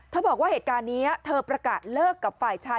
บอกว่าเหตุการณ์นี้เธอประกาศเลิกกับฝ่ายชาย